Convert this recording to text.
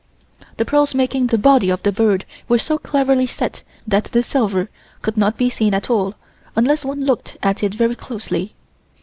The pearls making the body of the bird were so cleverly set that the silver could not be seen at all unless one looked at it very closely.